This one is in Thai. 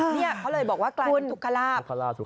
นี่เขาเลยบอกว่ากลายเป็นทุกขลาบ